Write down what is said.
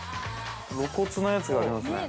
露骨なやつがありますね。